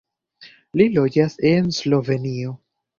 Li loĝas en Slovenio.